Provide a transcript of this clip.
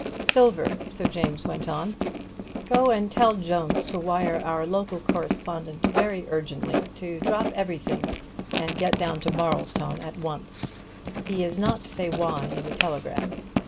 "Silver," Sir James went on, "go and tell Jones to wire our local correspondent very urgently, to drop everything and get down to Marlstone at once. He is not to say why in the telegram.